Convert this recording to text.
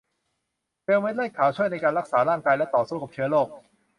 เซลล์เม็ดเลือดขาวช่วยในการรักษาร่างกายและต่อสู้กับเชื้อโรค